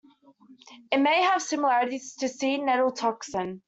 It may have similarities to sea nettle toxin.